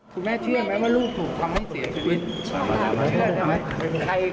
คุณแม่เชื่อไหมว่าลูกถูกทำให้เสียชีวิต